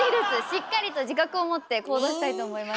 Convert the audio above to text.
しっかりと自覚を持って行動したいと思います。